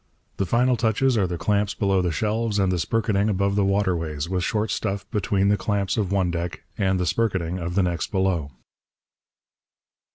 The final touches are the clamps below the shelves and the spirketing above the waterways, with short stuff between the clamps of one deck and the spirketing of the next below.